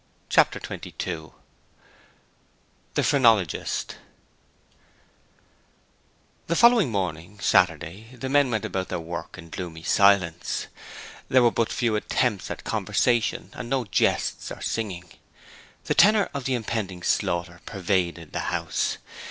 Chapter 22 The Phrenologist The following morning Saturday the men went about their work in gloomy silence; there were but few attempts at conversation and no jests or singing. The tenor of the impending slaughter pervaded the house.